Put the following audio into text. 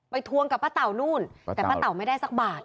ทวงกับป้าเต่านู่นแต่ป้าเต๋าไม่ได้สักบาท